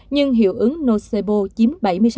nhưng hiệu ứng nocebo chiếm bảy mươi sáu